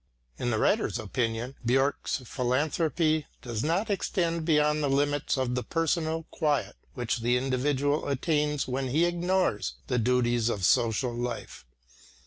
In the writer's opinion Björck's philanthropy does not extend beyond the limits of the personal quiet which the individual attains when he ignores the duties of social life.